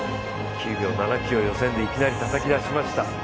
９秒７９を予選でいきなりたたきだしました。